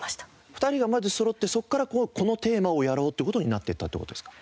２人がまずそろってそこからこのテーマをやろうって事になっていったって事ですか？